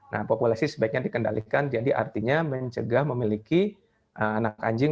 nah populasi sebaiknya dikendalikan jadi artinya mencegah memiliki anak anjing